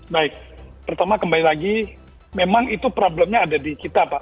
baik pertama kembali lagi memang itu problemnya ada di kita pak